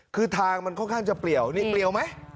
คือทางมันค่อนข้างจะเปลี่ยวนี่เปลี่ยวไหม